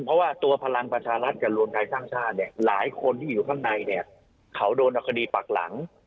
เพราะว่าตัวพลังประชารัฐกับโรงการสร้างชาติหลายคนที่อยู่ข้างในเขาโดนอัคดีปากหลัง